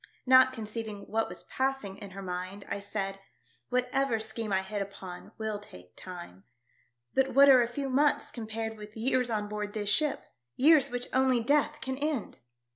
Not conceiving what was passing in her mind, I said, "Whatever scheme I hit upon will take time. But what are a few months compared with years on board this ship — years which only death can end